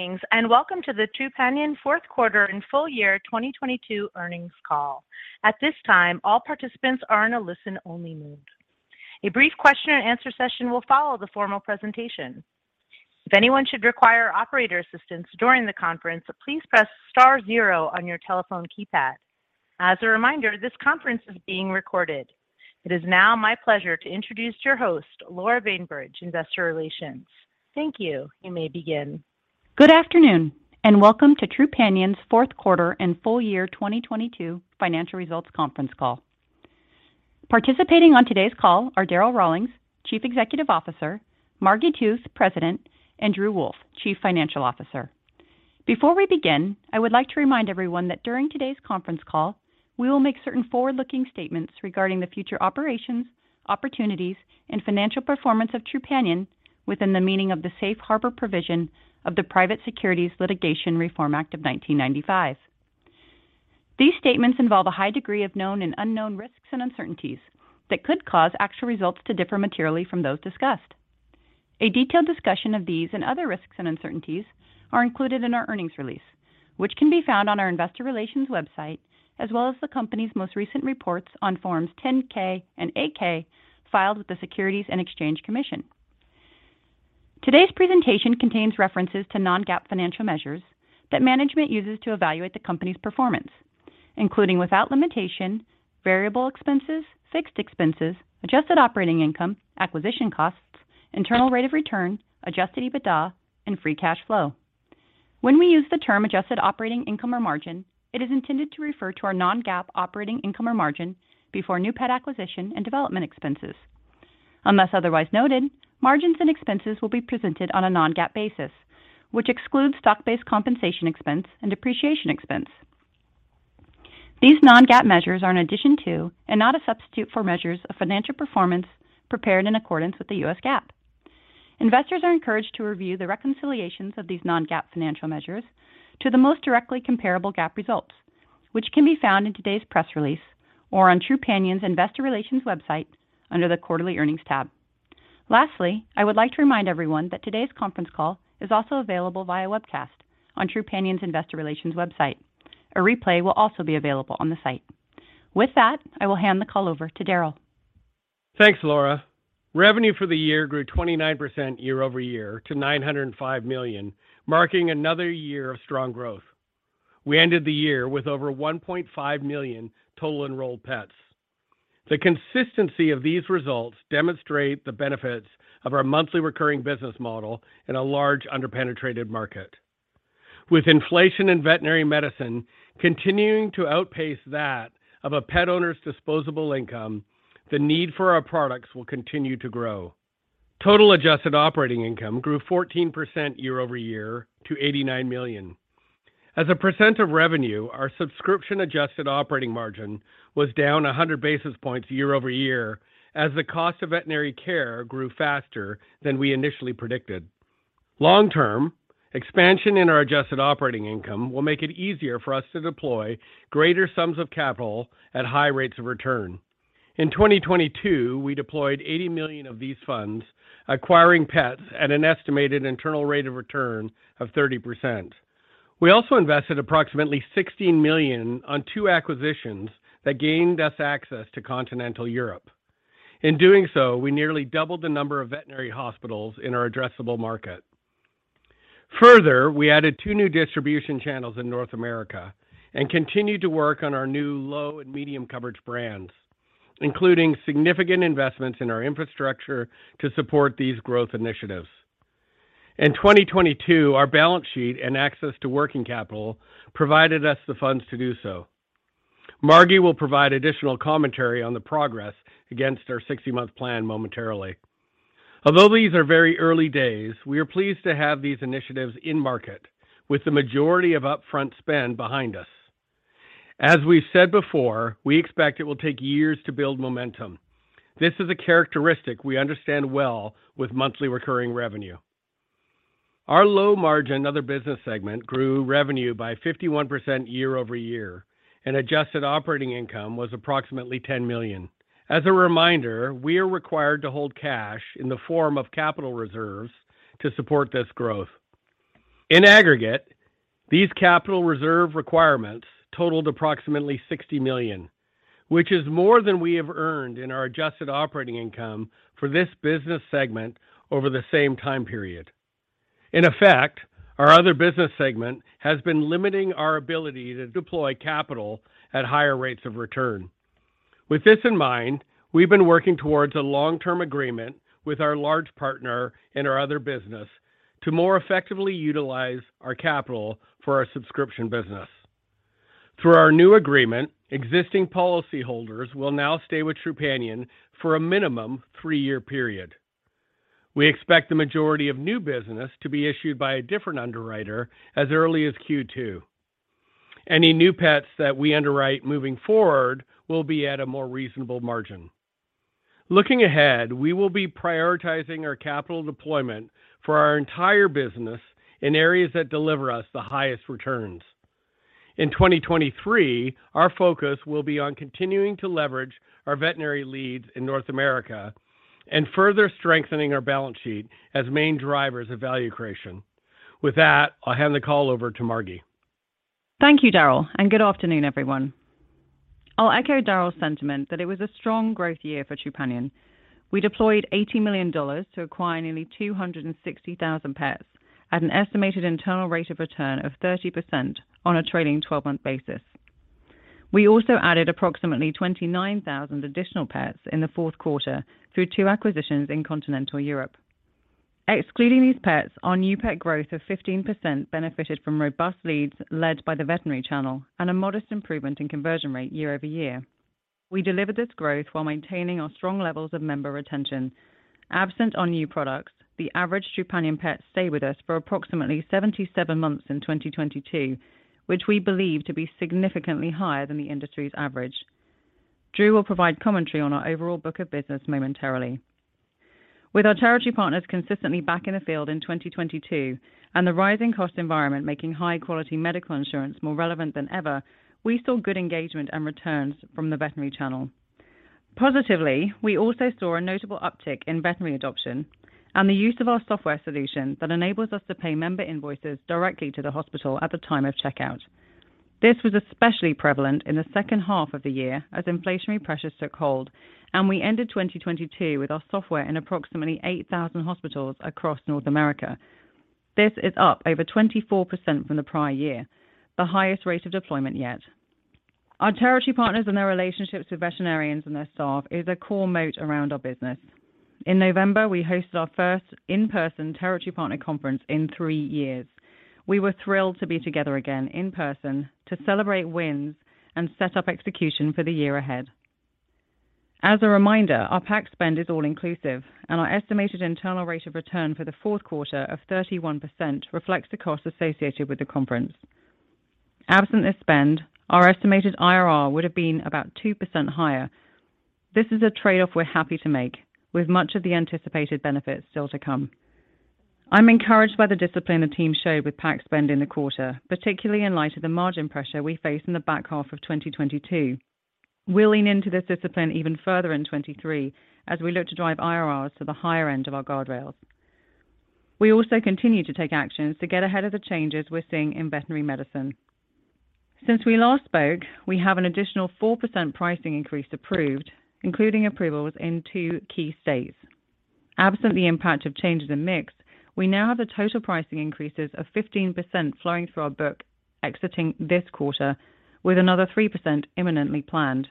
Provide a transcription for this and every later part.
Greetings, and welcome to the Trupanion fourth quarter and full year 2022 earnings call. At this time, all participants are in a listen-only mode. A brief question and answer session will follow the formal presentation. If anyone should require operator assistance during the conference, please press star 0 on your telephone keypad. As a reminder, this conference is being recorded. It is now my pleasure to introduce your host, Laura Bainbridge, Investor Relations. Thank you. You may begin. Good afternoon, and welcome to Trupanion's fourth quarter and full year 2022 financial results conference call. Participating on today's call are Darryl Rawlings, Chief Executive Officer, Margi Tooth, President, and Drew Wolff, Chief Financial Officer. Before we begin, I would like to remind everyone that during today's conference call, we will make certain forward-looking statements regarding the future operations, opportunities, and financial performance of Trupanion within the meaning of the Safe Harbor provision of the Private Securities Litigation Reform Act of 1995. These statements involve a high degree of known and unknown risks and uncertainties that could cause actual results to differ materially from those discussed. A detailed discussion of these and other risks and uncertainties are included in our earnings release, which can be found on our investor relations website, as well as the company's most recent reports on Forms 10-K and 8-K filed with the Securities and Exchange Commission. Today's presentation contains references to non-GAAP financial measures that management uses to evaluate the company's performance, including, without limitation, variable expenses, fixed expenses, adjusted operating income, acquisition costs, internal rate of return, adjusted EBITDA, and free cash flow. When we use the term adjusted operating income or margin, it is intended to refer to our non-GAAP operating income or margin before new pet acquisition and development expenses. Unless otherwise noted, margins and expenses will be presented on a non-GAAP basis, which excludes stock-based compensation expense and depreciation expense. These non-GAAP measures are in addition to and not a substitute for measures of financial performance prepared in accordance with the U.S. GAAP. Investors are encouraged to review the reconciliations of these non-GAAP financial measures to the most directly comparable GAAP results, which can be found in today's press release or on Trupanion's investor relations website under the Quarterly Earnings tab. Lastly, I would like to remind everyone that today's conference call is also available via webcast on Trupanion's investor relations website. A replay will also be available on the site. With that, I will hand the call over to Darryl. Thanks, Laura. Revenue for the year grew 29% year-over-year to $905 million, marking another year of strong growth. We ended the year with over 1.5 million total enrolled pets. The consistency of these results demonstrate the benefits of our monthly recurring business model in a large under-penetrated market. With inflation in veterinary medicine continuing to outpace that of a pet owner's disposable income, the need for our products will continue to grow. Total adjusted operating income grew 14% year-over-year to $89 million. As a percentage of revenue, our subscription adjusted operating margin was down 100 basis points year-over-year as the cost of veterinary care grew faster than we initially predicted. Long term, expansion in our adjusted operating income will make it easier for us to deploy greater sums of capital at high rates of return. In 2022, we deployed $80 million of these funds acquiring pets at an estimated internal rate of return of 30%. We also invested approximately $16 million on two acquisitions that gained us access to continental Europe. In doing so, we nearly doubled the number of veterinary hospitals in our addressable market. Further, we added two new distribution channels in North America and continued to work on our new low and medium coverage brands, including significant investments in our infrastructure to support these growth initiatives. In 2022, our balance sheet and access to working capital provided us the funds to do so. Margi will provide additional commentary on the progress against our 60-month plan momentarily. Although these are very early days, we are pleased to have these initiatives in market with the majority of upfront spend behind us. As we've said before, we expect it will take years to build momentum. This is a characteristic we understand well with monthly recurring revenue. Our low margin other business segment grew revenue by 51% year-over-year, and adjusted operating income was approximately $10 million. As a reminder, we are required to hold cash in the form of capital reserves to support this growth. In aggregate, these capital reserve requirements totaled approximately $60 million, which is more than we have earned in our adjusted operating income for this business segment over the same time period. In effect, our other business segment has been limiting our ability to deploy capital at higher rates of return. With this in mind, we've been working towards a long-term agreement with our large partner in our other business to more effectively utilize our capital for our subscription business. Through our new agreement, existing policyholders will now stay with Trupanion for a minimum three-year period. We expect the majority of new business to be issued by a different underwriter as early as Q2. Any new pets that we underwrite moving forward will be at a more reasonable margin. Looking ahead, we will be prioritizing our capital deployment for our entire business in areas that deliver us the highest returns. In 2023, our focus will be on continuing to leverage our veterinary leads in North America and further strengthening our balance sheet as main drivers of value creation. With that, I'll hand the call over to Margi. Thank you, Darryl. Good afternoon, everyone. I'll echo Darryl's sentiment that it was a strong growth year for Trupanion. We deployed $80 million to acquire nearly 260,000 pets at an estimated internal rate of return of 30% on a trailing 12-month basis. We also added approximately 29,000 additional pets in the fourth quarter through two acquisitions in Continental Europe. Excluding these pets, our new pet growth of 15% benefited from robust leads led by the veterinary channel and a modest improvement in conversion rate year-over-year. We delivered this growth while maintaining our strong levels of member retention. Absent our new products, the average Trupanion pets stay with us for approximately 77 months in 2022, which we believe to be significantly higher than the industry's average. Drew will provide commentary on our overall book of business momentarily. With our territory partners consistently back in the field in 2022 and the rising cost environment making high-quality medical insurance more relevant than ever, we saw good engagement and returns from the veterinary channel. Positively, we also saw a notable uptick in veterinary adoption and the use of our software solution that enables us to pay member invoices directly to the hospital at the time of checkout. This was especially prevalent in the second half of the year as inflationary pressures took hold, and we ended 2022 with our software in approximately 8,000 hospitals across North America. This is up over 24% from the prior year, the highest rate of deployment yet. Our territory partners and their relationships with veterinarians and their staff is a core moat around our business. In November, we hosted our first in-person territory partner conference in three years. We were thrilled to be together again in person to celebrate wins and set up execution for the year ahead. As a reminder, our PAC spend is all inclusive and our estimated internal rate of return for the fourth quarter of 31% reflects the cost associated with the conference. Absent this spend, our estimated IRR would have been about 2% higher. This is a trade-off we're happy to make with much of the anticipated benefits still to come. I'm encouraged by the discipline the team showed with PAC spend in the quarter, particularly in light of the margin pressure we face in the back half of 2022. We'll lean into this discipline even further in 2023 as we look to drive IRRs to the higher end of our guardrails. We also continue to take actions to get ahead of the changes we're seeing in veterinary medicine. Since we last spoke, we have an additional 4% pricing increase approved, including approvals in two key states. Absent the impact of changes in mix, we now have a total pricing increases of 15% flowing through our book exiting this quarter with another 3% imminently planned.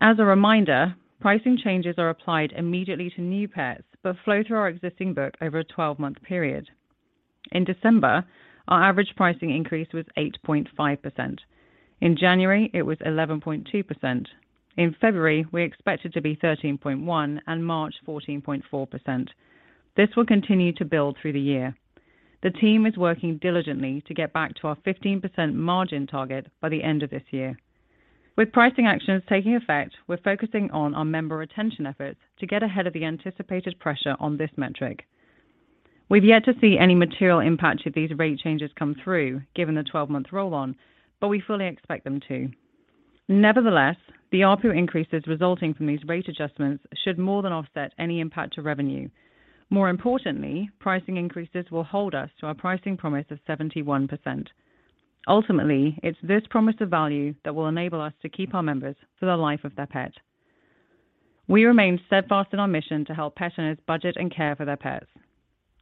As a reminder, pricing changes are applied immediately to new pets, but flow through our existing book over a 12-month period. In December, our average pricing increase was 8.5%. In January, it was 11.2%. In February, we expect it to be 13.1% and March 14.4%. This will continue to build through the year. The team is working diligently to get back to our 15% margin target by the end of this year. With pricing actions taking effect, we're focusing on our member retention efforts to get ahead of the anticipated pressure on this metric. We've yet to see any material impact should these rate changes come through, given the 12-month roll-on, but we fully expect them to. Nevertheless, the ARPU increases resulting from these rate adjustments should more than offset any impact to revenue. More importantly, pricing increases will hold us to our pricing promise of 71%. Ultimately, it's this promise of value that will enable us to keep our members for the life of their pet. We remain steadfast in our mission to help pet owners budget and care for their pets.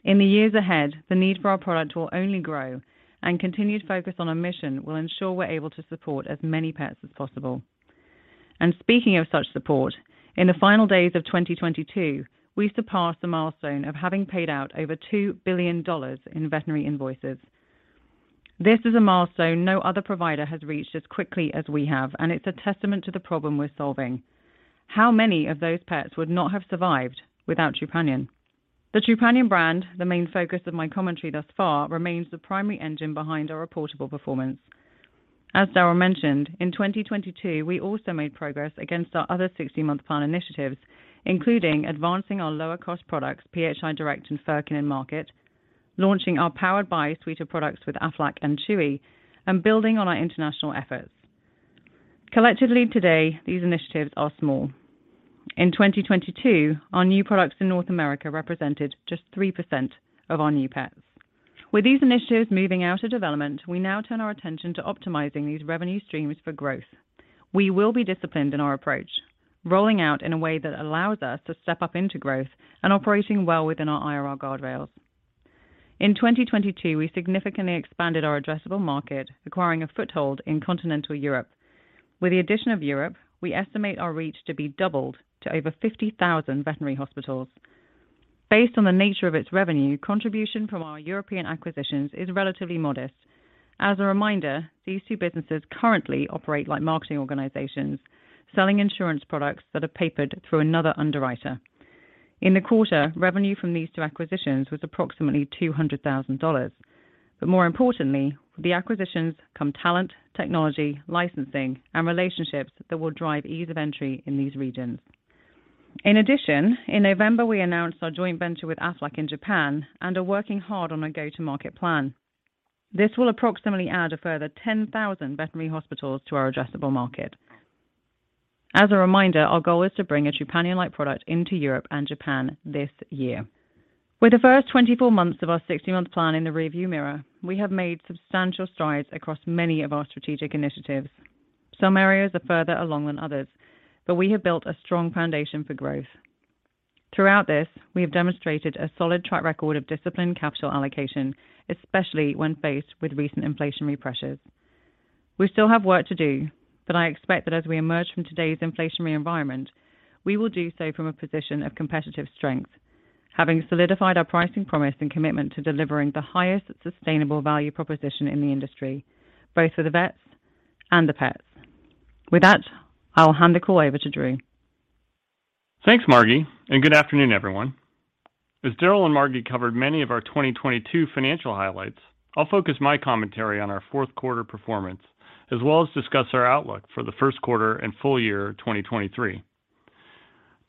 In the years ahead, the need for our product will only grow, and continued focus on our mission will ensure we're able to support as many pets as possible. Speaking of such support, in the final days of 2022, we surpassed the milestone of having paid out over $2 billion in veterinary invoices. This is a milestone no other provider has reached as quickly as we have, and it's a testament to the problem we're solving. How many of those pets would not have survived without Trupanion? The Trupanion brand, the main focus of my commentary thus far, remains the primary engine behind our reportable performance. As Darryl mentioned, in 2022, we also made progress against our other 60-month plan initiatives, including advancing our lower-cost products, PHI Direct and Furkin in market, launching our powered by a suite of products with Aflac and Chewy, and building on our international efforts. Collectively today, these initiatives are small. In 2022, our new products in North America represented just 3% of our new pets. With these initiatives moving out of development, we now turn our attention to optimizing these revenue streams for growth. We will be disciplined in our approach, rolling out in a way that allows us to step up into growth and operating well within our IRR guardrails. In 2022, we significantly expanded our addressable market, acquiring a foothold in continental Europe. With the addition of Europe, we estimate our reach to be doubled to over 50,000 veterinary hospitals. Based on the nature of its revenue, contribution from our European acquisitions is relatively modest. As a reminder, these two businesses currently operate like marketing organizations, selling insurance products that are papered through another underwriter. In the quarter, revenue from these two acquisitions was approximately $200,000. More importantly, the acquisitions come talent, technology, licensing, and relationships that will drive ease of entry in these regions. In addition, in November, we announced our joint venture with Aflac in Japan and are working hard on a go-to-market plan. This will approximately add a further 10,000 veterinary hospitals to our addressable market. As a reminder, our goal is to bring a Trupanion-like product into Europe and Japan this year. With the first 24 months of our 60-month plan in the rearview mirror, we have made substantial strides across many of our strategic initiatives. Some areas are further along than others, but we have built a strong foundation for growth. Throughout this, we have demonstrated a solid track record of disciplined capital allocation, especially when faced with recent inflationary pressures. We still have work to do, I expect that as we emerge from today's inflationary environment, we will do so from a position of competitive strength, having solidified our pricing promise and commitment to delivering the highest sustainable value proposition in the industry, both for the vets and the pets. With that, I'll hand the call over to Drew. Thanks, Margi, and good afternoon, everyone. As Darryl and Margi covered many of our 2022 financial highlights, I'll focus my commentary on our fourth quarter performance as well as discuss our outlook for the first quarter and full year 2023.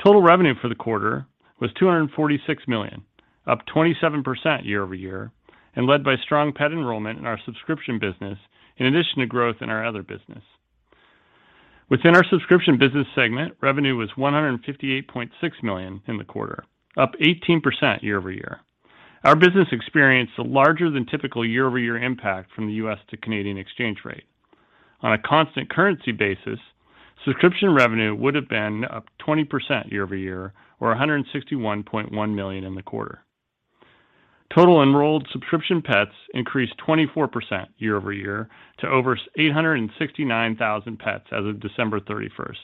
Total revenue for the quarter was $246 million, up 27% year-over-year, led by strong pet enrollment in our subscription business in addition to growth in our other business. Within our subscription business segment, revenue was $158.6 million in the quarter, up 18% year-over-year. Our business experienced a larger than typical year-over-year impact from the U.S. to Canadian exchange rate. On a constant currency basis, subscription revenue would have been up 20% year-over-year or $161.1 million in the quarter. Total enrolled subscription pets increased 24% year-over-year to over 869,000 pets as of December 31st.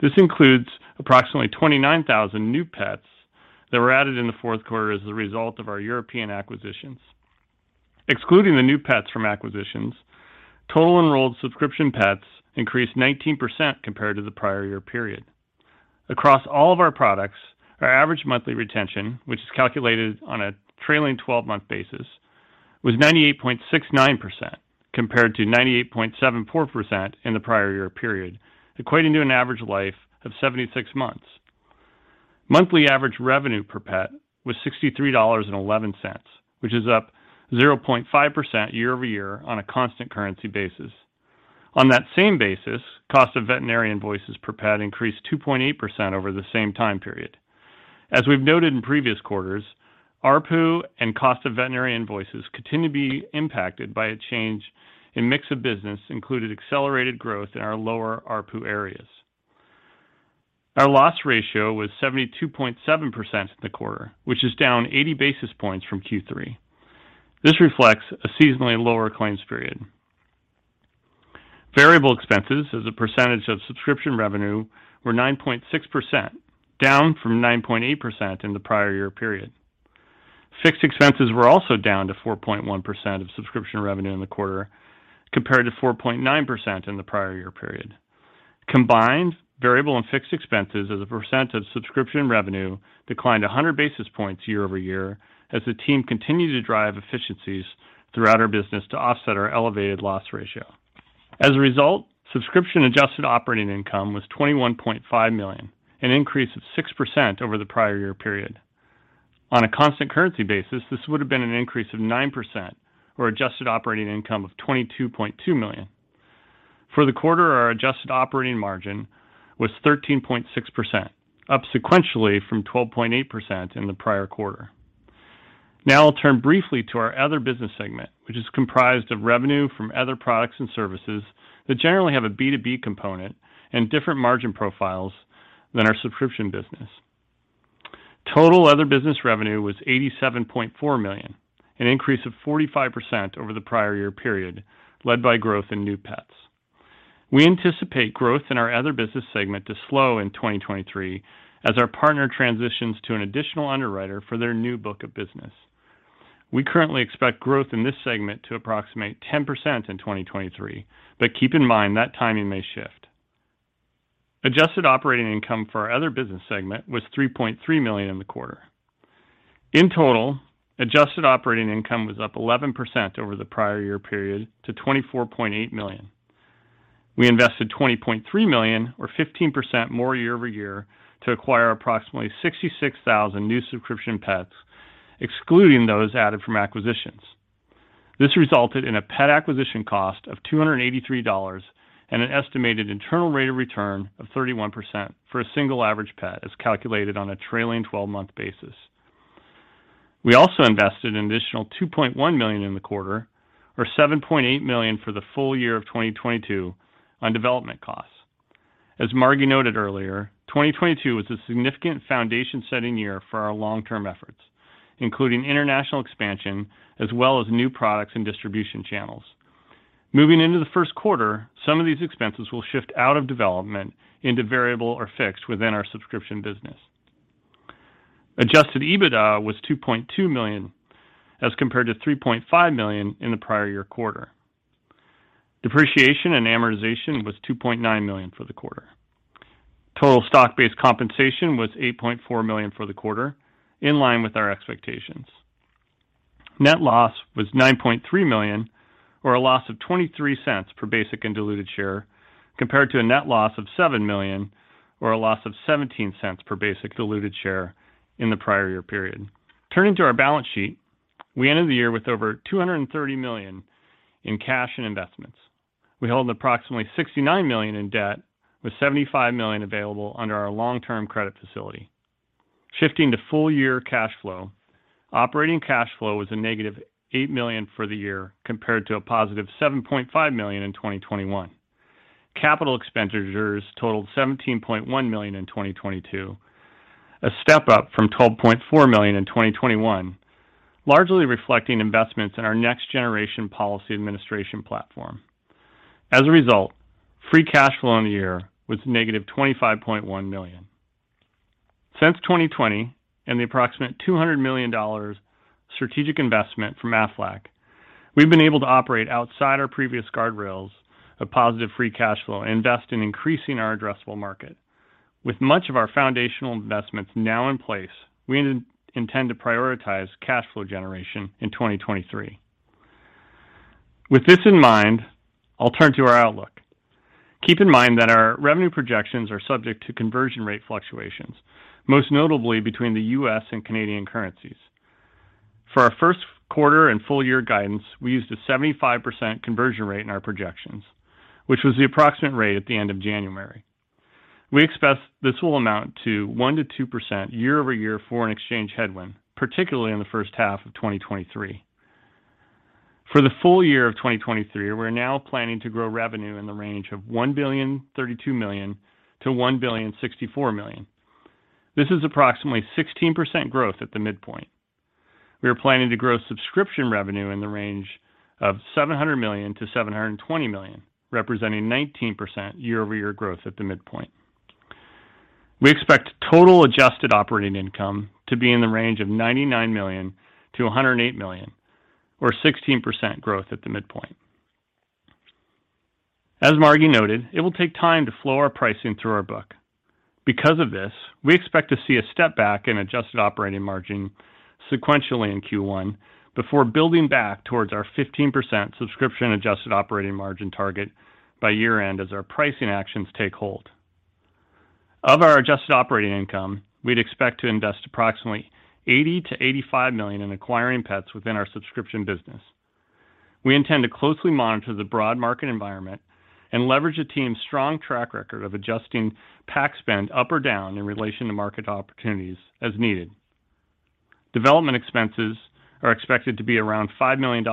This includes approximately 29,000 new pets that were added in the fourth quarter as a result of our European acquisitions. Excluding the new pets from acquisitions, total enrolled subscription pets increased 19% compared to the prior year period. Across all of our products, our average monthly retention, which is calculated on a trailing 12-month basis, was 98.69% compared to 98.74% in the prior year period, equating to an average life of 76 months. Monthly average revenue per pet was $63.11, which is up 0.5% year-over-year on a constant currency basis. On that same basis, cost of veterinary invoices per pet increased 2.8% over the same time period. As we've noted in previous quarters, ARPU and cost of veterinary invoices continue to be impacted by a change in mix of business included accelerated growth in our lower ARPU areas. Our loss ratio was 72.7% in the quarter, which is down 80 basis points from Q3. This reflects a seasonally lower claims period. Variable expenses as a percentage of subscription revenue were 9.6%, down from 9.8% in the prior year period. Fixed expenses were also down to 4.1% of subscription revenue in the quarter compared to 4.9% in the prior year period. Combined variable and fixed expenses as a percent of subscription revenue declined 100 basis points year-over-year as the team continued to drive efficiencies throughout our business to offset our elevated loss ratio. As a result, subscription adjusted operating income was $21.5 million, an increase of 6% over the prior year period. On a constant currency basis, this would have been an increase of 9% or adjusted operating income of $22.2 million. For the quarter, our adjusted operating margin was 13.6%, up sequentially from 12.8% in the prior quarter. Now I'll turn briefly to our other business segment, which is comprised of revenue from other products and services that generally have a B2B component and different margin profiles than our subscription business. Total other business revenue was $87.4 million, an increase of 45% over the prior year period, led by growth in new pets. We anticipate growth in our other business segment to slow in 2023 as our partner transitions to an additional underwriter for their new book of business. We currently expect growth in this segment to approximate 10% in 2023. Keep in mind that timing may shift. adjusted operating income for our other business segment was $3.3 million in the quarter. In total, adjusted operating income was up 11% over the prior year period to $24.8 million. We invested $20.3 million or 15% more year-over-year to acquire approximately 66,000 new subscription pets, excluding those added from acquisitions. This resulted in a pet acquisition cost of $283 and an estimated internal rate of return of 31% for a single average pet as calculated on a trailing 12-month basis. We also invested an additional $2.1 million in the quarter or $7.8 million for the full year of 2022 on development costs. As Margi noted earlier, 2022 was a significant foundation-setting year for our long-term efforts, including international expansion as well as new products and distribution channels. Moving into the first quarter, some of these expenses will shift out of development into variable or fixed within our subscription business. adjusted EBITDA was $2.2 million as compared to $3.5 million in the prior year quarter. Depreciation and amortization was $2.9 million for the quarter. Total stock-based compensation was $8.4 million for the quarter in line with our expectations. Net loss was $9.3 million or a loss of $0.23 per basic and diluted share compared to a net loss of $7 million or a loss of $0.17 per basic diluted share in the prior year period. Turning to our balance sheet, we ended the year with over $230 million in cash and investments. We held approximately $69 million in debt with $75 million available under our long-term credit facility. Shifting to full year cash flow, operating cash flow was a negative $8 million for the year compared to a positive $7.5 million in 2021. Capital expenditures totaled $17.1 million in 2022, a step up from $12.4 million in 2021, largely reflecting investments in our next-generation policy administration platform. As a result, free cash flow in the year was negative $25.1 million. Since 2020 and the approximate $200 million strategic investment from Aflac, we've been able to operate outside our previous guardrails of positive free cash flow and invest in increasing our addressable market. With much of our foundational investments now in place, we intend to prioritize cash flow generation in 2023. With this in mind, I'll turn to our outlook. Keep in mind that our revenue projections are subject to conversion rate fluctuations, most notably between the U.S. and Canadian currencies. For our first quarter and full year guidance, we used a 75% conversion rate in our projections, which was the approximate rate at the end of January. We expect this will amount to 1%-2% year-over-year foreign exchange headwind, particularly in the first half of 2023. For the full year of 2023, we're now planning to grow revenue in the range of $1.032 billion-$1.064 billion. This is approximately 16% growth at the midpoint. We are planning to grow subscription revenue in the range of $700 million-$720 million, representing 19% year-over-year growth at the midpoint. We expect total adjusted operating income to be in the range of $99 million-$108 million or 16% growth at the midpoint. As Margi noted, it will take time to flow our pricing through our book. Because of this, we expect to see a step back in adjusted operating margin sequentially in Q1 before building back towards our 15% subscription adjusted operating margin target by year-end as our pricing actions take hold. Of our adjusted operating income, we'd expect to invest approximately $80 million-$85 million in acquiring pets within our subscription business. We intend to closely monitor the broad market environment and leverage the team's strong track record of adjusting PAC spend up or down in relation to market opportunities as needed. Development expenses are expected to be around $5 million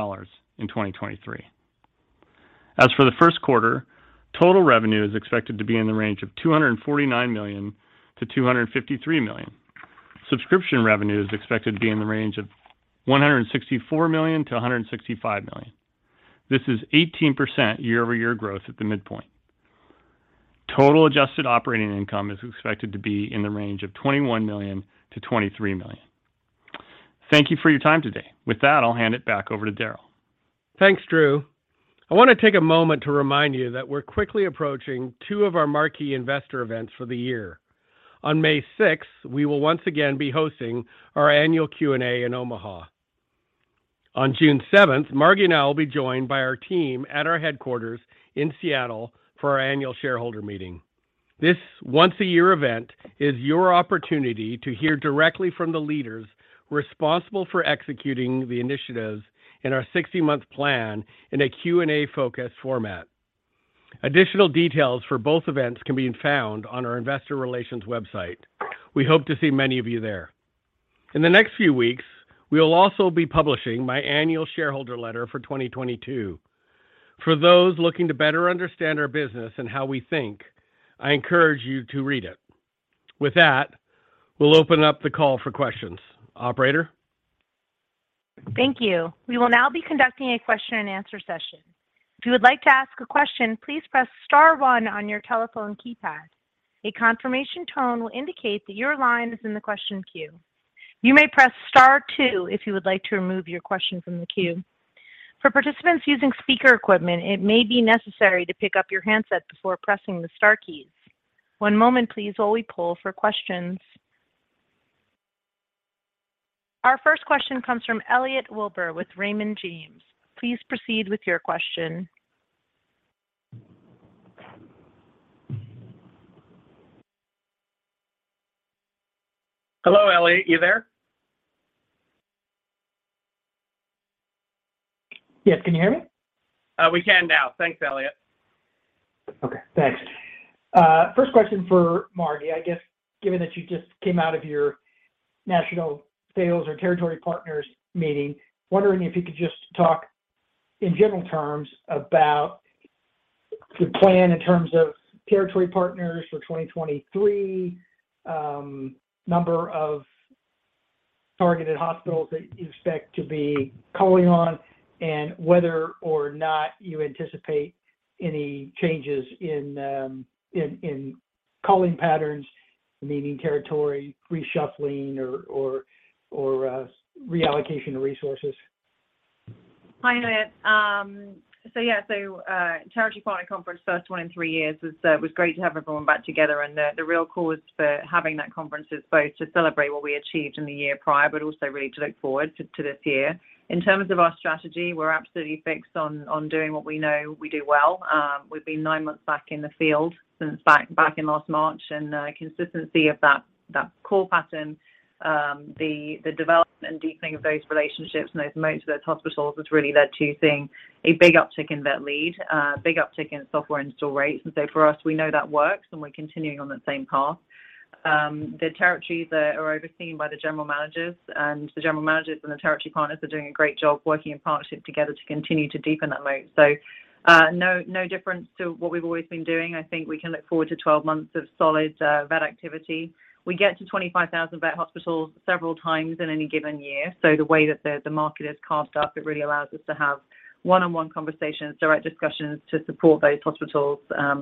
in 2023. As for the first quarter, total revenue is expected to be in the range of $249 million-$253 million. Subscription revenue is expected to be in the range of $164 million-$165 million. This is 18% year-over-year growth at the midpoint. Total adjusted operating income is expected to be in the range of $21 million-$23 million. Thank you for your time today. With that, I'll hand it back over to Darryl. Thanks, Drew. I want to take a moment to remind you that we're quickly approaching two of our marquee investor events for the year. On May 6th, we will once again be hosting our annual Q&A in Omaha. On June 7th, Margi and I will be joined by our team at our headquarters in Seattle for our annual shareholder meeting. This once a year event is your opportunity to hear directly from the leaders responsible for executing the initiatives in our 60-month plan in a Q&A focused format. Additional details for both events can be found on our investor relations website. We hope to see many of you there. In the next few weeks, we will also be publishing my annual shareholder letter for 2022. For those looking to better understand our business and how we think, I encourage you to read it. With that, we'll open up the call for questions. Operator. Thank you. We will now be conducting a question and answer session. If you would like to ask a question, please press star 1 on your telephone keypad. A confirmation tone will indicate that your line is in the question queue. You may press star 2 if you would like to remove your question from the queue. For participants using speaker equipment, it may be necessary to pick up your handset before pressing the star keys. One moment please while we poll for questions. Our first question comes from Elliot Wilbur with Raymond James. Please proceed with your question. Hello, Elliot, you there? Yes. Can you hear me? We can now. Thanks, Elliot. Okay, thanks. First question for Margi. I guess given that you just came out of your national sales or territory partners meeting, wondering if you could just talk in general terms about the plan in terms of territory partners for 2023, number of targeted hospitals that you expect to be calling on, and whether or not you anticipate any changes in calling patterns, meaning territory reshuffling or reallocation of resources. Hi, Elliot. Territory Partner Conference, first one in three years. It was great to have everyone back together, and the real cause for having that conference is both to celebrate what we achieved in the year prior, but also really to look forward to this year. In terms of our strategy, we're absolutely fixed on doing what we know we do well. We've been nine months back in the field since back in last March, and consistency of that core pattern, the development and deepening of those relationships and those moats with hospitals has really led to seeing a big uptick in vet lead, a big uptick in software install rates. For us, we know that works, and we're continuing on that same path. The territories that are overseen by the general managers, and the general managers and the territory partners are doing a great job working in partnership together to continue to deepen that moat. No, no difference to what we've always been doing. I think we can look forward to 12 months of solid vet activity. We get to 25,000 vet hospitals several times in any given year, so the way that the market is cast up, it really allows us to have one-on-one conversations, direct discussions to support those hospitals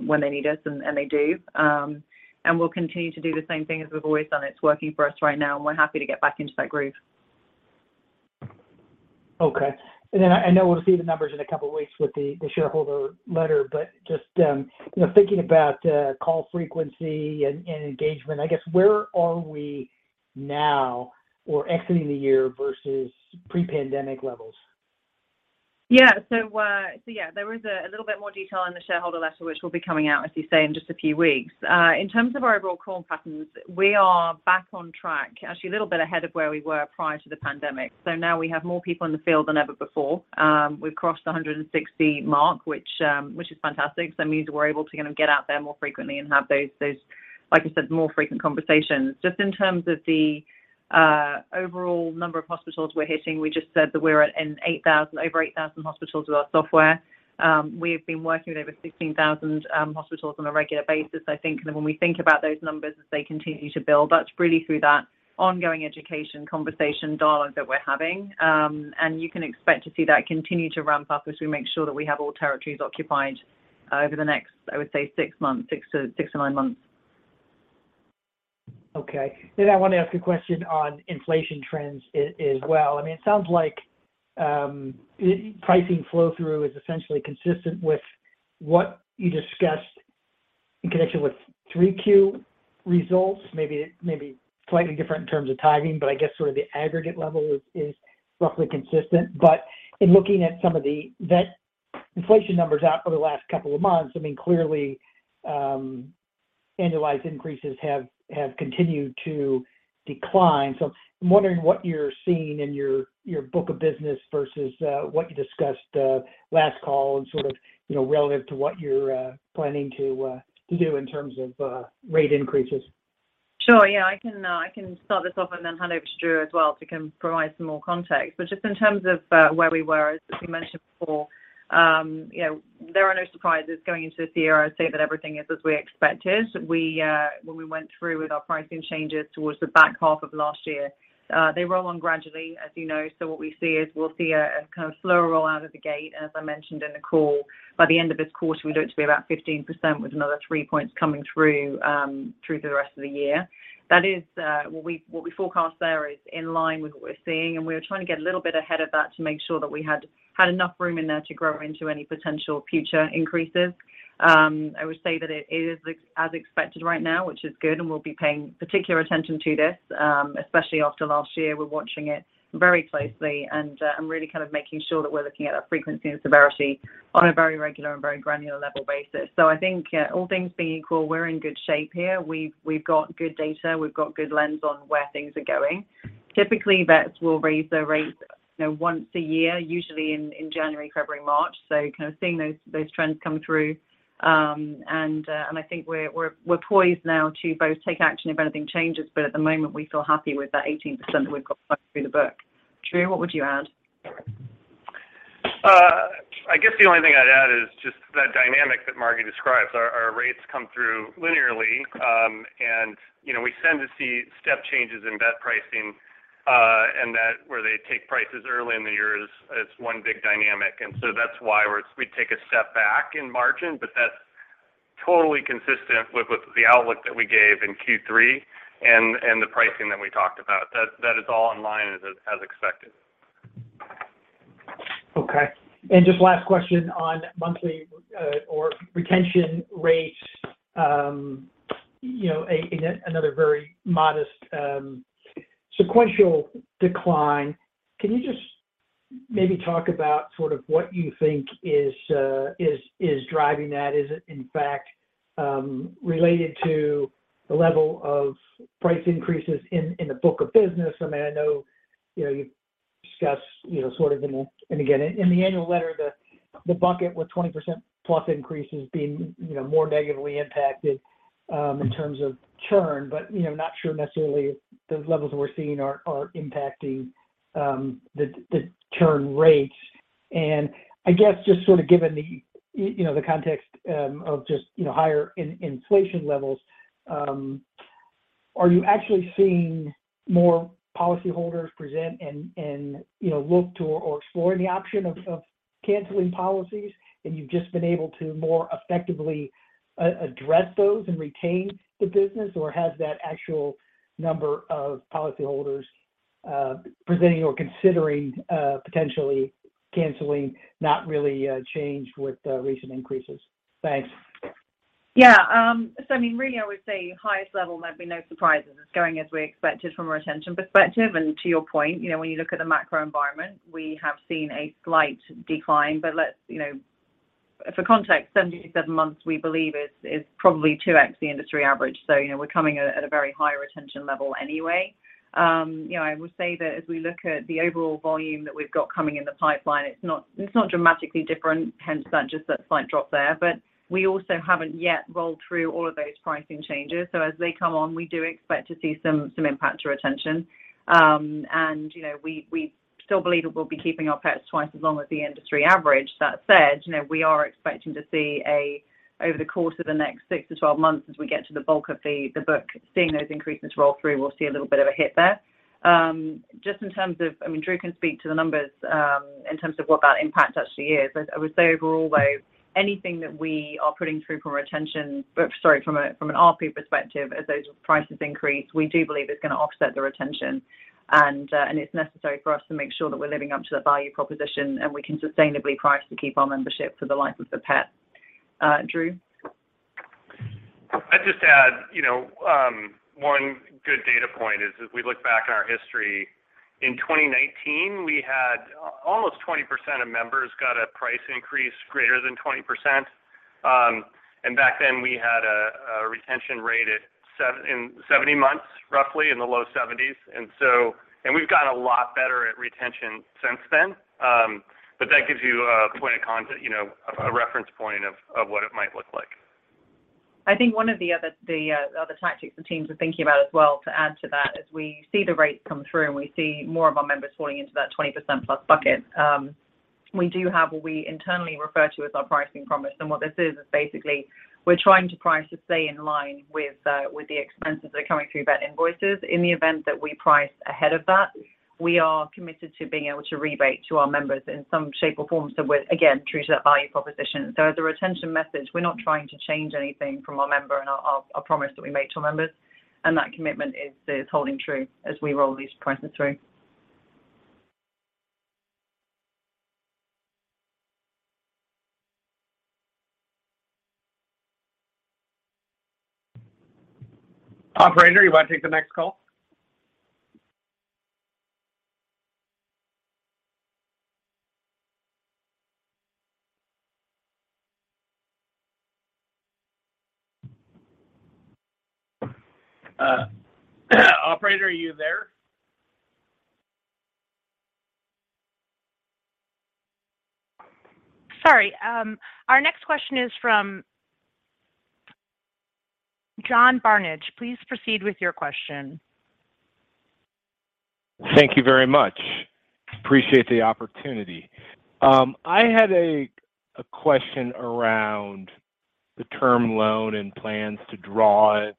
when they need us, and they do, and we'll continue to do the same thing as we've always done. It's working for us right now, and we're happy to get back into that groove. Okay. I know we'll see the numbers in a couple of weeks with the shareholder letter, but just, you know, thinking about call frequency and engagement, I guess, where are we now or exiting the year versus pre-pandemic levels? There is a little bit more detail in the shareholder letter, which will be coming out, as you say, in just a few weeks. In terms of our overall call patterns, we are back on track, actually a little bit ahead of where we were prior to the pandemic. Now we have more people in the field than ever before. We've crossed a 160 mark, which is fantastic. That means we're able to kind of get out there more frequently and have those, like I said, more frequent conversations. Just in terms of the overall number of hospitals we're hitting, we just said that we're at over 8,000 hospitals with our software. We've been working with over 16,000 hospitals on a regular basis. I think that when we think about those numbers as they continue to build, that's really through that ongoing education conversation dialogue that we're having. You can expect to see that continue to ramp up as we make sure that we have all territories occupied, over the next, I would say, six months, six to nine months. Okay. I want to ask a question on inflation trends as well. I mean, it sounds like pricing flow through is essentially consistent with what you discussed in connection with 3Q results. Maybe slightly different in terms of timing, but I guess sort of the aggregate level is roughly consistent. In looking at some of the vet inflation numbers out for the last couple of months, I mean, clearly, annualized increases have continued to decline. I'm wondering what you're seeing in your book of business versus what you discussed last call and sort of, you know, relative to what you're planning to do in terms of rate increases. Sure. I can start this off and then hand over to Drew Wolff as well to come provide some more context. Just in terms of where we were, as we mentioned before, you know, there are no surprises going into this year. I'd say that everything is as we expected. We, when we went through with our pricing changes towards the back half of last year, they roll on gradually, as you know. What we see is we'll see a kind of slower roll out of the gate. As I mentioned in the call, by the end of this quarter, we look to be about 15% with another three points coming through the rest of the year. That is what we forecast there is in line with what we're seeing. We were trying to get a little bit ahead of that to make sure that we had enough room in there to grow into any potential future increases. I would say that it is as expected right now, which is good. We'll be paying particular attention to this, especially after last year. We're watching it very closely. Really kind of making sure that we're looking at our frequency and severity on a very regular and very granular level basis. I think all things being equal, we're in good shape here. We've got good data. We've got good lens on where things are going. Typically, vets will raise their rates, you know, once a year, usually in January, February, March. Kind of seeing those trends come through. I think we're poised now to both take action if anything changes, but at the moment, we feel happy with that 18% that we've got through the book. Drew, what would you add? I guess the only thing I'd add is just that dynamic that Margi describes. Our rates come through linearly, and, you know, we tend to see step changes in vet pricing, and that where they take prices early in the year is one big dynamic. That's why we take a step back in margin, but that's totally consistent with the outlook that we gave in Q3 and the pricing that we talked about. That is all online as expected. Okay. Just last question on monthly or retention rates, you know, another very modest sequential decline. Can you just maybe talk about sort of what you think is driving that? Is it in fact related to the level of price increases in the book of business? I mean, I know, you know, you've discussed, you know, sort of in the... and again, in the annual letter the bucket with 20% plus increases being, you know, more negatively impacted in terms of churn. You know, not sure necessarily if those levels we're seeing are impacting the churn rates. I guess just sort of given the, you know, the context, of just, you know, higher inflation levels, are you actually seeing more policyholders present and, you know, look to or exploring the option of canceling policies, and you've just been able to more effectively address those and retain the business? Or has that actual number of policyholders presenting or considering potentially canceling not really changed with the recent increases? Thanks. Yeah. I mean, really, I would say highest level might be no surprises. It's going as we expected from a retention perspective. To your point, you know, when you look at the macro environment, we have seen a slight decline. You know, for context, 77 months, we believe is probably 2x the industry average. You know, we're coming at a very high retention level anyway. You know, I would say that as we look at the overall volume that we've got coming in the pipeline, it's not dramatically different, hence that just that slight drop there. We also haven't yet rolled through all of those pricing changes. As they come on, we do expect to see some impact to retention. You know, we still believe that we'll be keeping our pets twice as long as the industry average. That said, you know, we are expecting to see over the course of the next six to 12 months as we get to the bulk of the book, seeing those increases roll through, we'll see a little bit of a hit there. Just in terms of, I mean, Drew can speak to the numbers, in terms of what that impact actually is. I would say overall, though, anything that we are putting through from a retention-- sorry, from an RP perspective, as those prices increase, we do believe it's gonna offset the retention. It's necessary for us to make sure that we're living up to the value proposition and we can sustainably price to keep our membership for the life of the pet. Drew? I'd just add, you know, one good data point is as we look back on our history, in 2019, we had almost 20% of members got a price increase greater than 20%. Back then, we had a retention rate in 70 months, roughly in the low 70s. We've gotten a lot better at retention since then. That gives you a point of content, you know, a reference point of what it might look like. I think one of the other, the, other tactics the teams are thinking about as well to add to that is we see the rates come through, and we see more of our members falling into that 20% plus bucket. We do have what we internally refer to as our pricing promise. What this is basically we're trying to price to stay in line with the expenses that are coming through vet invoices. In the event that we price ahead of that, we are committed to being able to rebate to our members in some shape or form so we're, again, true to that value proposition. As a retention message, we're not trying to change anything from our member and our promise that we make to our members, and that commitment is holding true as we roll these prices through. Operator, you wanna take the next call? Operator, are you there? Sorry. Our next question is from John Barnidge. Please proceed with your question. Thank you very much. Appreciate the opportunity. I had a question around the term loan and plans to draw it.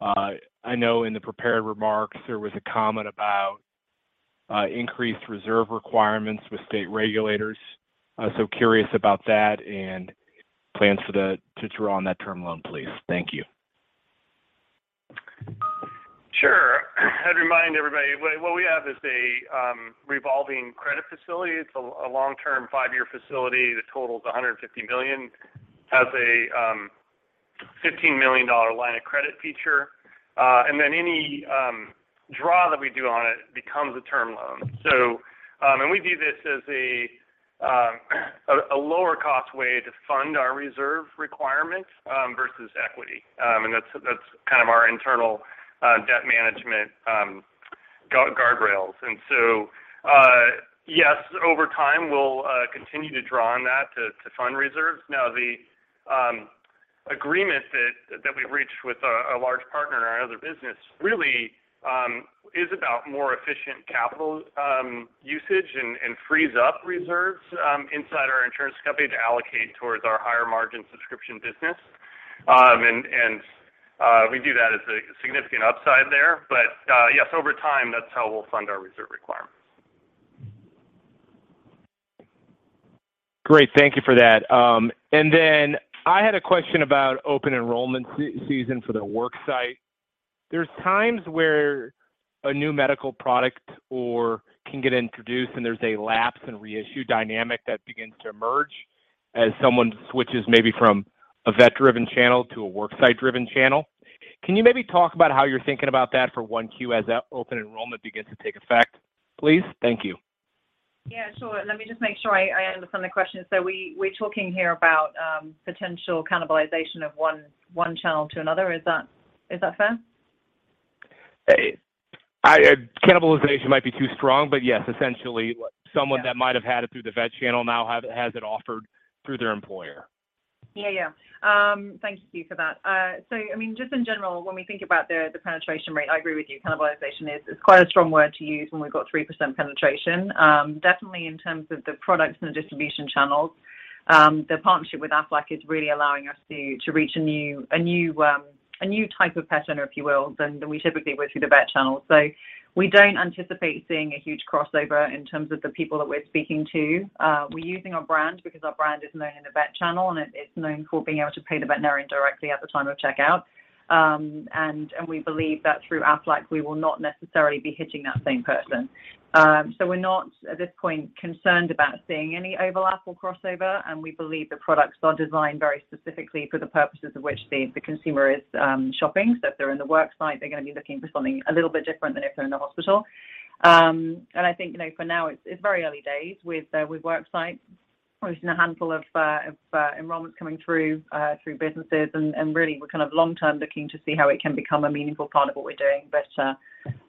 I know in the prepared remarks there was a comment about increased reserve requirements with state regulators. Curious about that and plans to draw on that term loan, please. Thank you. Sure. I'd remind everybody, what we have is a revolving credit facility. It's a long-term five-year facility that totals $150 million. Has a $15 million line of credit feature. Any draw that we do on it becomes a term loan. We view this as a lower cost way to fund our reserve requirements versus equity. That's kind of our internal debt management guardrails. Yes, over time, we'll continue to draw on that to fund reserves. Now, the agreement that we've reached with a large partner in our other business really is about more efficient capital usage and frees up reserves inside our insurance company to allocate towards our higher margin subscription business. We view that as a significant upside there. Yes, over time, that's how we'll fund our reserve requirements. Great. Thank you for that. I had a question about open enrollment season for the worksite. There's times where a new medical product or can get introduced, and there's a lapse and reissue dynamic that begins to emerge as someone switches maybe from a vet-driven channel to a worksite-driven channel. Can you maybe talk about how you're thinking about that for 1Q as open enrollment begins to take effect, please? Thank you. Yeah, sure. Let me just make sure I understand the question. We're talking here about potential cannibalization of one channel to another. Is that fair? I... Cannibalization might be too strong, but yes, essentially- Yeah... someone that might have had it through the vet channel now has it offered through their employer. Yeah, yeah. Thank you for that. Just in general, when we think about the penetration rate, I agree with you, cannibalization is quite a strong word to use when we've got 3% penetration. Definitely in terms of the products and the distribution channels. The partnership with Aflac is really allowing us to reach a new, a new, a new type of pet owner, if you will, than we typically would through the vet channel. We don't anticipate seeing a huge crossover in terms of the people that we're speaking to. We're using our brand because our brand is known in the vet channel, and it's known for being able to pay the veterinarian directly at the time of checkout. We believe that through Aflac, we will not necessarily be hitting that same person. We're not, at this point, concerned about seeing any overlap or crossover, and we believe the products are designed very specifically for the purposes of which the consumer is shopping. If they're in the work site, they're gonna be looking for something a little bit different than if they're in the hospital. I think, you know, for now it's very early days with work sites. We've seen a handful of enrollments coming through businesses, and really, we're kind of long-term looking to see how it can become a meaningful part of what we're doing.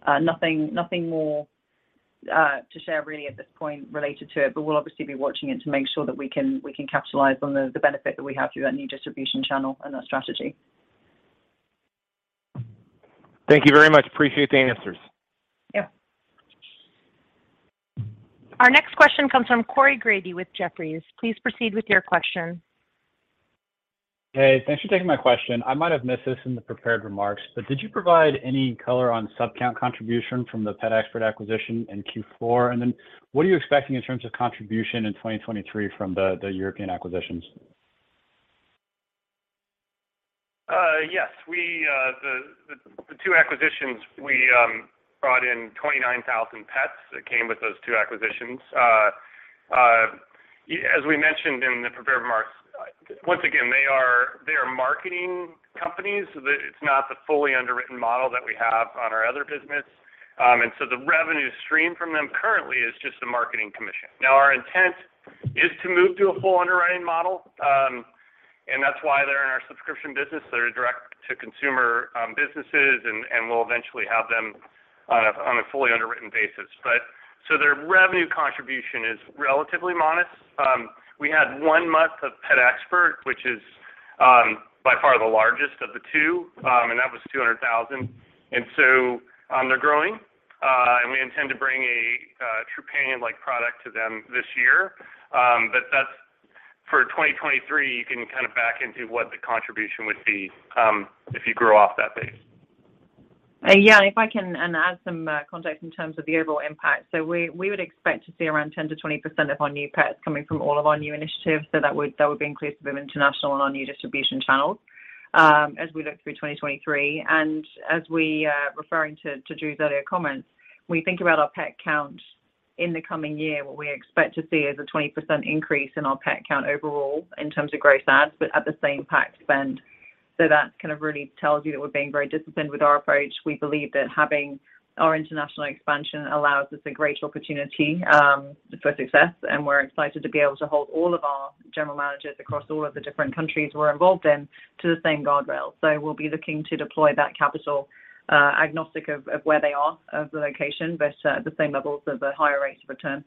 Nothing more, to share really at this point related to it. We'll obviously be watching it to make sure that we can capitalize on the benefit that we have through that new distribution channel and that strategy. Thank you very much. Appreciate the answers. Yep. Our next question comes from Corey Grady with Jefferies. Please proceed with your question. Hey, thanks for taking my question. I might have missed this in the prepared remarks, but did you provide any color on sub-count contribution from the PetExpert acquisition in Q4? What are you expecting in terms of contribution in 2023 from the European acquisitions? Yes. We, the two acquisitions, we brought in 29,000 pets that came with those two acquisitions. As we mentioned in the prepared remarks, once again, they are marketing companies, so it's not the fully underwritten model that we have on our other business. The revenue stream from them currently is just a marketing commission. Now, our intent is to move to a full underwriting model, and that's why they're in our subscription business. They're direct-to-consumer businesses and we'll eventually have them on a fully underwritten basis. Their revenue contribution is relatively modest. We had one month of PetExpert, which is by far the largest of the two, and that was $200,000. They're growing, and we intend to bring a Trupanion-like product to them this year. That's. For 2023, you can kind of back into what the contribution would be, if you grow off that base. Yeah, if I can then add some context in terms of the overall impact. We would expect to see around 10%-20% of our new pets coming from all of our new initiatives, that would be inclusive of international and our new distribution channels, as we look through 2023. As we, referring to Drew's earlier comments, we think about our pet count in the coming year, what we expect to see is a 20% increase in our pet count overall in terms of gross adds, but at the same PAC spend. That kind of really tells you that we're being very disciplined with our approach. We believe that having our international expansion allows us a great opportunity for success, and we're excited to be able to hold all of our general managers across all of the different countries we're involved in to the same guardrail. We'll be looking to deploy that capital agnostic of where they are of the location, but at the same levels of a higher rate of return.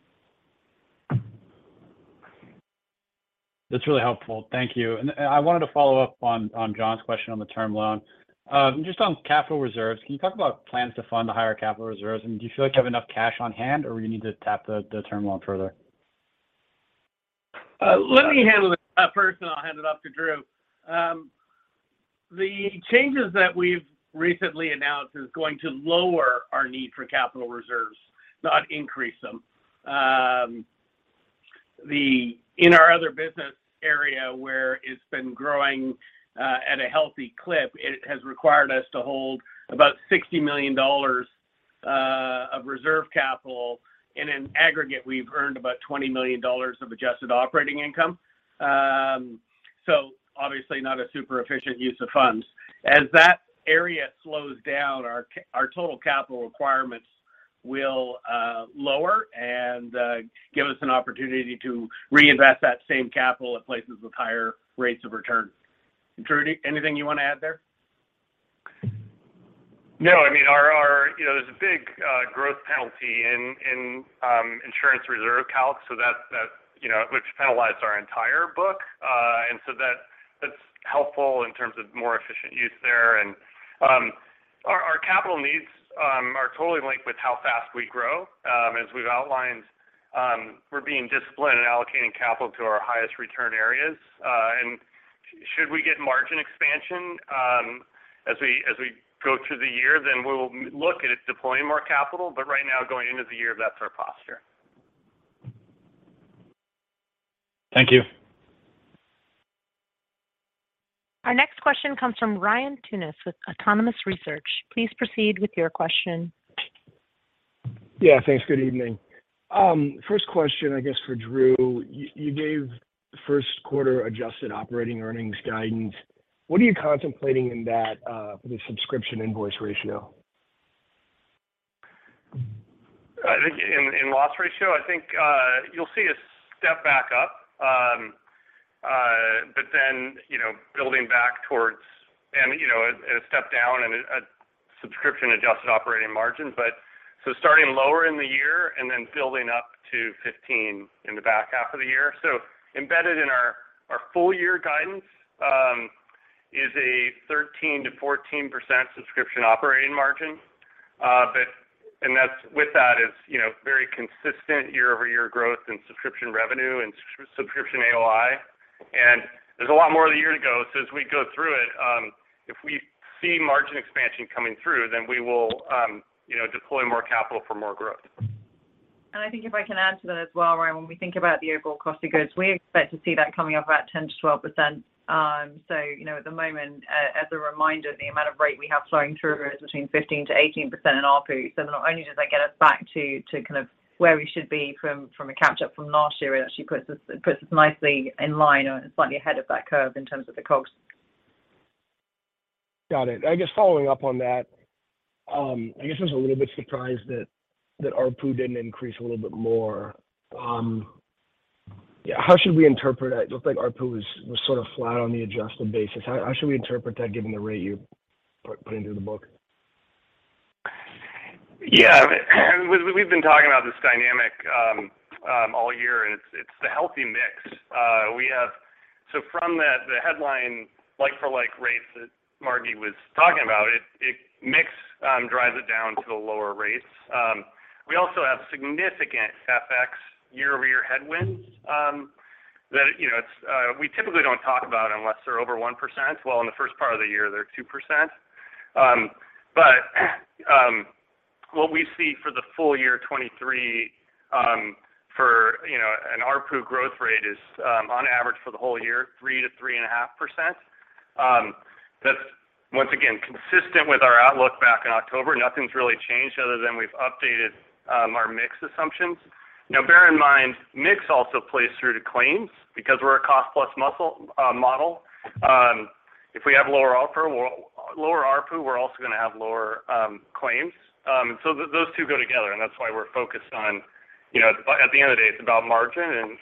That's really helpful. Thank you. I wanted to follow up on John's question on the term loan. Just on capital reserves, can you talk about plans to fund the higher capital reserves? Do you feel like you have enough cash on hand or you need to tap the term loan further? Let me handle this first. I'll hand it off to Drew. The changes that we've recently announced is going to lower our need for capital reserves, not increase them. The, in our other business area where it's been growing at a healthy clip, it has required us to hold about $60 million of reserve capital. In an aggregate, we've earned about $20 million of adjusted operating income. Obviously not a super efficient use of funds. As that area slows down, our total capital requirements will lower and give us an opportunity to reinvest that same capital at places with higher rates of return. Drew, anything you wanna add there? No. I mean, our, you know, there's a big growth penalty in insurance reserve calc, so that's, you know, which penalizes our entire book. That's helpful in terms of more efficient use there. Our capital needs are totally linked with how fast we grow. As we've outlined, we're being disciplined in allocating capital to our highest return areas. Should we get margin expansion as we go through the year, then we'll look at deploying more capital. Right now, going into the year, that's our posture. Thank you. Our next question comes from Ryan Tunis with Autonomous Research. Please proceed with your question. Yeah. Thanks. Good evening. first question, I guess, for Drew. You gave first quarter adjusted operating income guidance. What are you contemplating in that, for the subscription invoice ratio? I think in loss ratio, I think, you'll see a step back up, you know, building back towards, and, you know, a step down in a subscription Adjusted Operating Margin. Starting lower in the year and then building up to 15 in the back half of the year. Embedded in Our full year guidance is a 13%-14% subscription operating margin. With that is, you know, very consistent year-over-year growth in subscription revenue and subscription AOI. There's a lot more of the year to go, as we go through it, if we see margin expansion coming through, we will, you know, deploy more capital for more growth. I think if I can add to that as well, Ryan, when we think about the overall cost of goods, we expect to see that coming up about 10%-12%. So, you know, at the moment, as a reminder, the amount of rate we have flowing through is between 15%-18% in ARPU. Not only does that get us back to kind of where we should be from a catch-up from last year, it actually puts us nicely in line or slightly ahead of that curve in terms of the costs. Got it. I guess following up on that, I guess I was a little bit surprised that ARPU didn't increase a little bit more. Yeah, how should we interpret it? It looked like ARPU was sort of flat on the adjusted basis. How should we interpret that given the rate you put into the book? We've been talking about this dynamic all year, and it's the healthy mix. We have. From the headline like-for-like rates that Margi was talking about, it. Mix drives it down to the lower rates. We also have significant FX year-over-year headwinds that, you know, it's. We typically don't talk about unless they're over 1%. In the first part of the year, they were 2%. What we see for the full year 2023 for, you know, an ARPU growth rate is on average for the whole year, 3%-3.5%. That's once again consistent with our outlook back in October. Nothing's really changed other than we've updated our mix assumptions. Bear in mind, mix also plays through to claims because we're a cost plus model. If we have lower ARPU, we're also gonna have lower claims. Those two go together, and that's why we're focused on, you know, at the end of the day, it's about margin.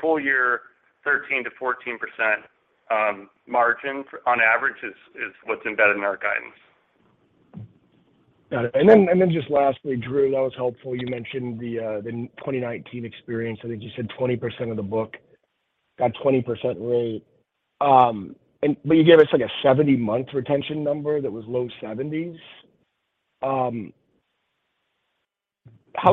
Full year 13%-14% margin on average is what's embedded in our guidance. Got it. Just lastly, Drew Wolff, that was helpful. You mentioned the 2019 experience. I think you said 20% of the book got 20% rate. You gave us like a 70-month retention number that was low 70s. How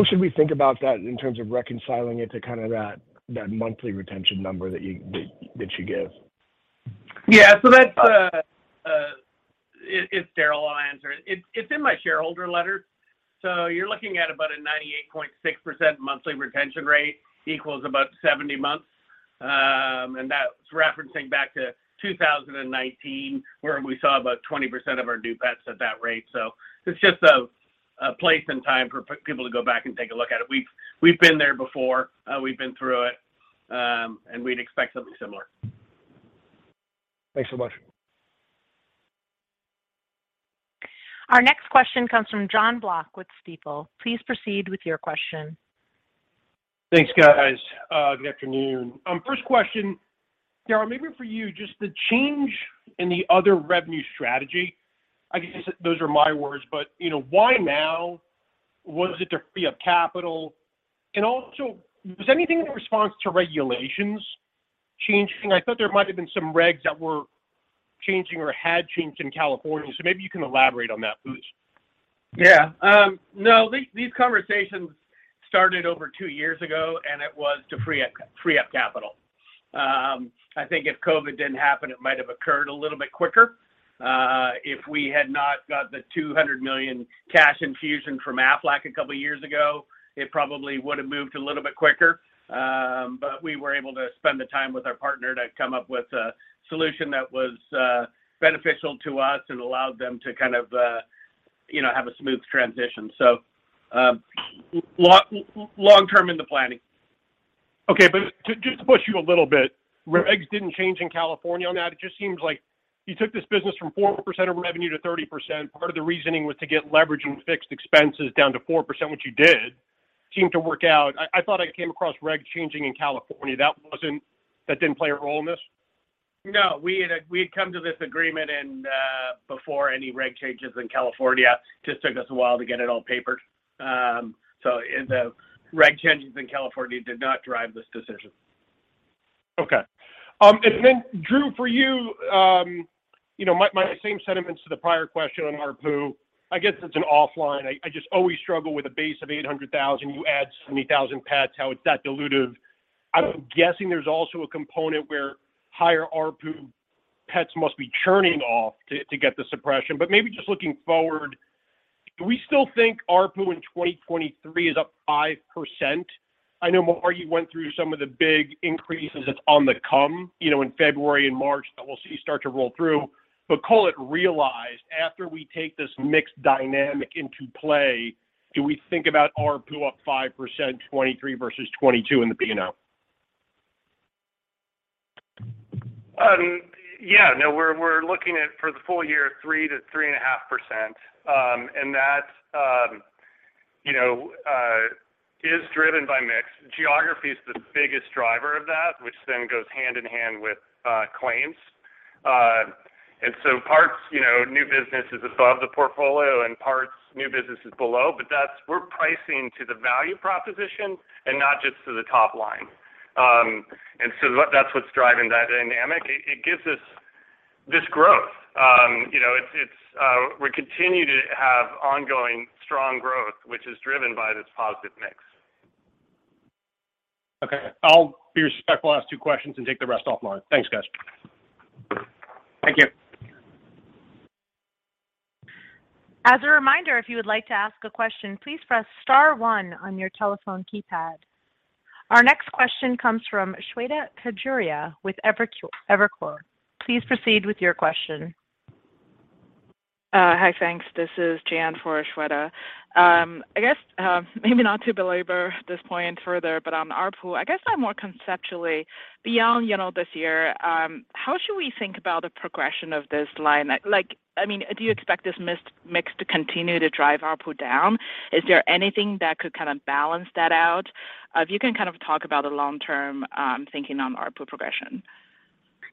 should we think about that in terms of reconciling it to kind of that monthly retention number that you give? Yeah. That's. It's Darryl. I'll answer it. It's in my shareholder letter. You're looking at about a 98.6% monthly retention rate equals about 70 months. That's referencing back to 2019, where we saw about 20% of our due pets at that rate. It's just a place and time for people to go back and take a look at it. We've been there before, we've been through it, and we'd expect something similar. Thanks so much. Our next question comes from Jonathan Block with Stifel. Please proceed with your question. Thanks, guys. Good afternoon. First question, Darryl, maybe for you, just the change in the other revenue strategy. I guess those are my words, but, you know, why now? Was it to free up capital? Also, was anything in response to regulations changing? I thought there might have been some regs that were changing or had changed in California, so maybe you can elaborate on that please. Yeah. No, these conversations started over two years ago. It was to free up capital. I think if COVID didn't happen, it might have occurred a little bit quicker. If we had not got the $200 million cash infusion from Aflac a couple years ago, it probably would have moved a little bit quicker. We were able to spend the time with our partner to come up with a solution that was beneficial to us and allowed them to kind of, you know, have a smooth transition. Long term in the planning. Okay. Just to push you a little bit, regs didn't change in California on that. It just seems like you took this business from 4% of revenue to 30%. Part of the reasoning was to get leverage and fixed expenses down to 4%, which you did. Seemed to work out. I thought I came across reg changing in California. That didn't play a role in this? No. We had come to this agreement and before any reg changes in California. Just took us a while to get it all papered. The reg changes in California did not drive this decision. Okay. Drew, for you know, my same sentiments to the prior question on ARPU. I guess it's an offline. I just always struggle with a base of 800,000, you add 70,000 pets, how it's that dilutive. I'm guessing there's also a component where higher ARPU pets must be churning off to get the suppression. Maybe just looking forward, do we still think ARPU in 2023 is up 5%? I know Margi went through some of the big increases that's on the come, you know, in February and March that we'll see start to roll through. Call it realized, after we take this mixed dynamic into play, do we think about ARPU up 5%, 2023 versus 2022 in the P&L? Yeah. No, we're looking at for the full year, 3%-3.5%. That, you know, is driven by mix. Geography is the biggest driver of that, which then goes hand in hand with, claims. Parts, you know, new business is above the portfolio, and parts new business is below, but that's we're pricing to the value proposition and not just to the top line. That's what's driving that dynamic. It gives us this growth. you know, it's, we continue to have ongoing strong growth, which is driven by this positive mix. Okay. I'll be respectful on the last two questions and take the rest offline. Thanks, guys. Thank you. As a reminder, if you would like to ask a question, please press star one on your telephone keypad. Our next question comes from Shweta Khajuria with Evercore. Please proceed with your question. Hi, thanks. This is Jian for Shweta. I guess, maybe not to belabor this point further, but on ARPU, I guess I'm more conceptually beyond, you know, this year, how should we think about the progression of this line? Like, I mean, do you expect this mis-mix to continue to drive ARPU down? Is there anything that could kind of balance that out? If you can kind of talk about the long-term thinking on ARPU progression.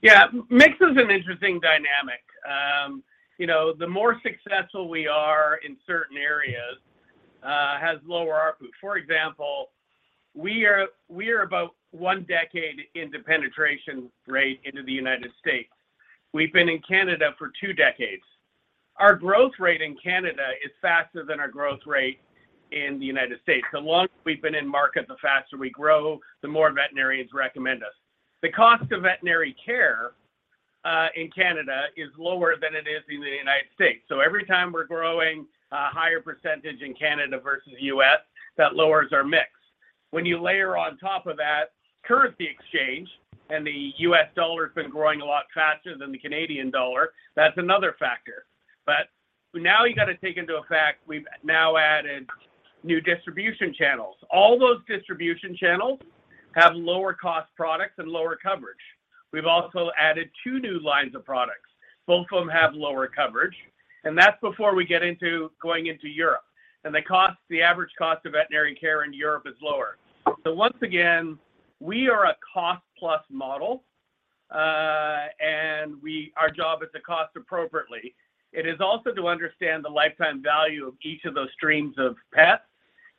Yeah. Mix is an interesting dynamic. You know, the more successful we are in certain areas, has lower ARPU. For example, we are about 1 decade into penetration rate into the United States. We've been in Canada for two decades. Our growth rate in Canada is faster than our growth rate in the United States. The longer we've been in market, the faster we grow, the more veterinarians recommend us. The cost of veterinary care in Canada is lower than it is in the United States. Every time we're growing a higher percentage in Canada versus US, that lowers our mix. When you layer on top of that currency exchange, the US dollar has been growing a lot faster than the Canadian dollar, that's another factor. Now you gotta take into effect, we've now added new distribution channels. All those distribution channels have lower cost products and lower coverage. We've also added two new lines of products. Both of them have lower coverage, that's before we get into going into Europe. The cost, the average cost of veterinary care in Europe is lower. Once again, we are a cost plus model, and our job is to cost appropriately. It is also to understand the lifetime value of each of those streams of pets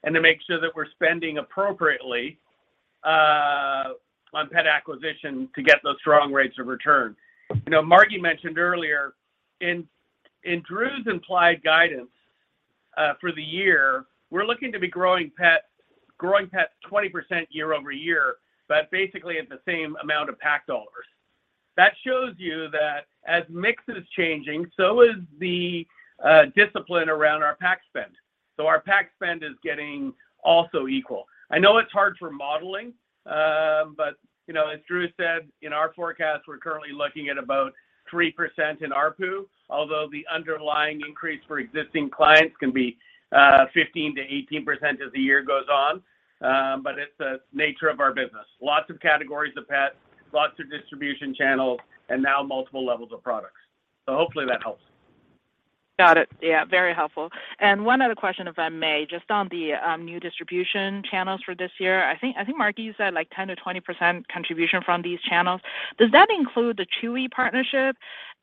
and to make sure that we're spending appropriately on pet acquisition to get those strong rates of return. You know, Margi mentioned earlier, in Drew's implied guidance for the year, we're looking to be growing pets 20% year-over-year, but basically at the same amount of PAC dollars. That shows you that as mix is changing, so is the discipline around our PAC spend. Our PAC spend is getting also equal. I know it's hard for modeling, but, you know, as Drew said, in our forecast, we're currently looking at about 3% in ARPU, although the underlying increase for existing clients can be 15%-18% as the year goes on, but it's the nature of our business. Lots of categories of pets, lots of distribution channels, and now multiple levels of products. Hopefully that helps. Got it. Yeah, very helpful. One other question, if I may, just on the new distribution channels for this year. I think Margi said, like, 10%-20% contribution from these channels. Does that include the Chewy partnership?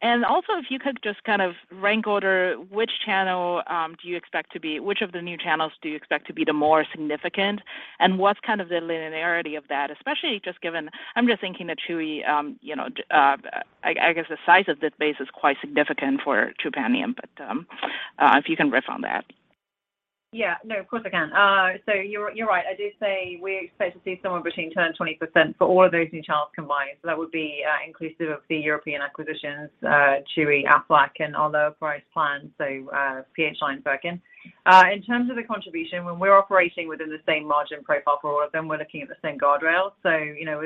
If you could just kind of rank order which channel, which of the new channels do you expect to be the more significant? What's kind of the linearity of that? Especially just given... I'm just thinking the Chewy, you know, I guess the size of the base is quite significant for Trupanion, but, if you can riff on that. Yeah, no, of course I can. You're, you're right. I do say we expect to see somewhere between 10% and 20% for all of those new channels combined. That would be inclusive of the European acquisitions, Chewy, Aflac and other price plans, PHI Direct and Furkin. In terms of the contribution, when we're operating within the same margin profile for all of them, we're looking at the same guardrail. You know,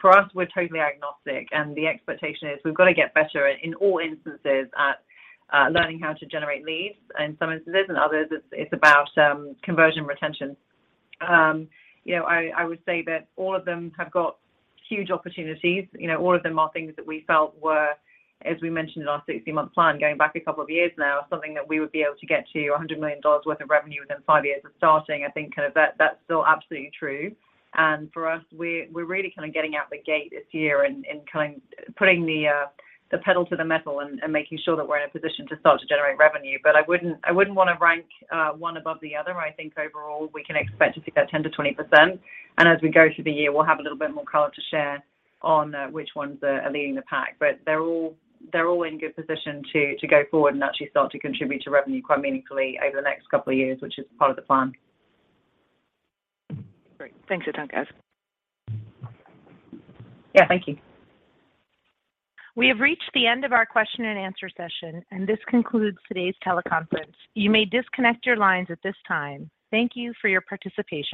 for us, we're totally agnostic, and the expectation is we've got to get better in all instances at learning how to generate leads. In some instances and others, it's about conversion retention. You know, I would say that all of them have got huge opportunities. You know, all of them are things that we felt were, as we mentioned in our 60-month plan going back a couple of years now, something that we would be able to get to $100 million worth of revenue within five years of starting. I think, kind of, that's still absolutely true. For us, we're really kind of getting out the gate this year and putting the pedal to the metal and making sure that we're in a position to start to generate revenue. I wouldn't, I wouldn't wanna rank one above the other. I think overall we can expect to see that 10%-20%. As we go through the year, we'll have a little bit more color to share on which ones are leading the pack. They're all in good position to go forward and actually start to contribute to revenue quite meaningfully over the next couple of years, which is part of the plan. Great. Thanks a ton, guys. Yeah. Thank you. We have reached the end of our question and answer session. This concludes today's teleconference. You may disconnect your lines at this time. Thank you for your participation.